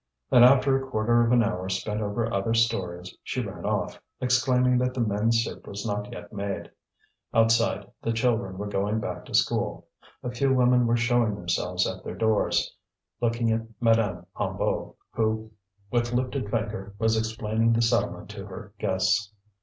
And after a quarter of an hour spent over other stories, she ran off, exclaiming that the men's soup was not yet made. Outside, the children were going back to school; a few women were showing themselves at their doors, looking at Madame Hennebeau, who, with lifted finger, was explaining the settlement to her guests.